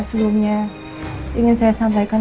sebelumnya ingin saya sampaikan